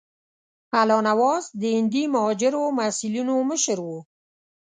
الله نواز د هندي مهاجرو محصلینو مشر وو.